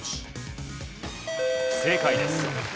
正解です。